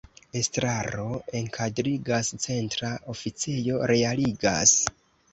Estraro enkadrigas, centra oficejo realigas.